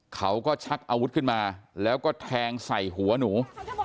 ชักอาวุธขึ้นมาแล้วก็แทงใส่หัวหนู